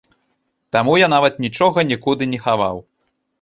Таму я нават нічога нікуды не хаваў.